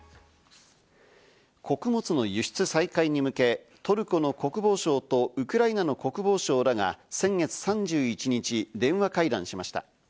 穀物の輸出再開に向け、トルコの国防相とウクライナの国防相らが先月３１日、電話会談しました。